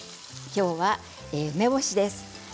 きょうは梅干しです。